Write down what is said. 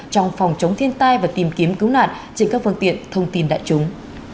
trong phòng chống thiên tai và tìm kiếm cứu nạn trên các phương tiện thông tin đại chúng